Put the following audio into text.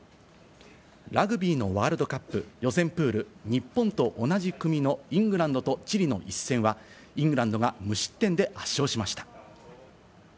ラグビーのワールドカップ予選プール、日本と同じ組のイングランドとチリの一戦はイングランドが無失点で圧勝しました。